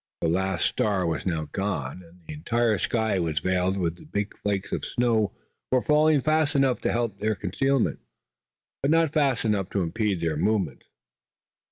The last star was now gone, and the entire sky was veiled. The big flakes of snow were falling fast enough to help their concealment, but not fast enough to impede their movements.